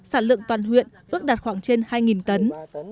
sản lượng toàn huyện ước đạt khoảng trên hai tấn